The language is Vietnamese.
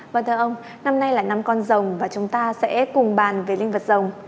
vâng thưa ông năm nay là năm con rồng và chúng ta sẽ cùng bàn về linh vật rồng